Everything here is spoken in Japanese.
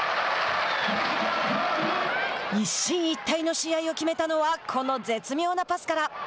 一進一退の試合を決めたのはこの絶妙なパスから。